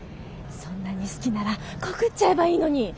そんなに好きなら告っちゃえばいいのに。